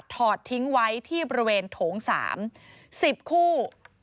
อดทิ้งไว้ที่บริเวณโถง๓๑๐คู่